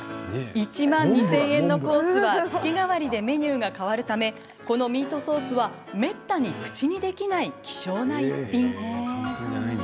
１万２，０００円のコースは月替わりでメニューが替わるためこのミートソースはめったに口にできない希少な逸品。